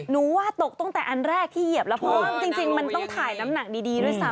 หนูว่าตกตั้งแต่อันแรกที่เหยียบแล้วเพราะว่าจริงมันต้องถ่ายน้ำหนักดีด้วยซ้ำ